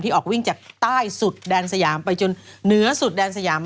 ออกวิ่งจากใต้สุดแดนสยามไปจนเหนือสุดแดนสยาม